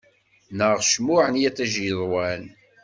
Neɣ cmuɛ n yiṭij yeḍwan.